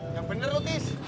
yang bener kok tis